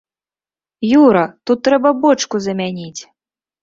Юра, тут трэба бочку замяніць!